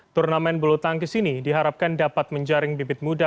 turnamen bulu tangkis ini diharapkan dapat menjaring bibit muda